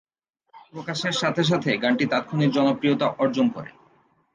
প্রকাশের সাথে সাথে গানটি তাৎক্ষণিক জনপ্রিয়তা অর্জন করে।